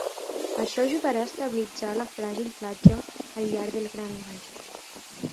Això ajudarà a estabilitzar la fràgil platja al llarg de Grand Isle.